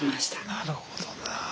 なるほどな。